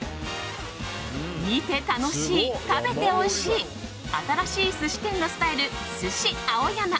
見て楽しい、食べておいしい新しい寿司店のスタイルスシアオヤマ。